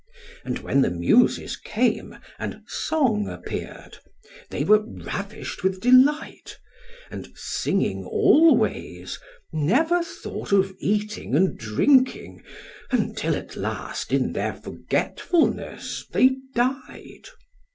And when the Muses came and song appeared they were ravished with delight; and singing always, never thought of eating and drinking, until at last in their forgetfulness they died.